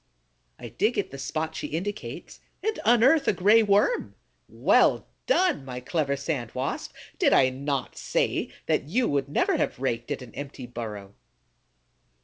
I dig at the spot she indicates and unearth a Gray Worm. Well done, my clever Sand Wasp! Did I not say that you would never have raked at an empty burrow?